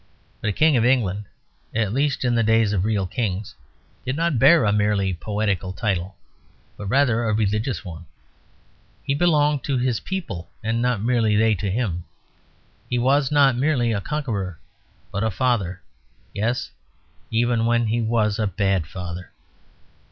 But a King of England (at least in the days of real kings) did not bear a merely poetical title; but rather a religious one. He belonged to his people and not merely they to him. He was not merely a conqueror, but a father yes, even when he was a bad father.